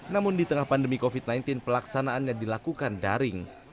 namun di tengah pandemi covid sembilan belas pelaksanaannya dilakukan daring